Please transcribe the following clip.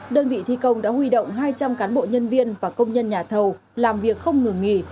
đơn vị thi công đã huy động hai trăm linh cán bộ nhân viên và công nhân nhà thầu làm việc không ngừng nghỉ